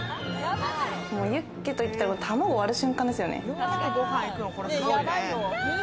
ユッケと言ったら、卵割る瞬間ですよね。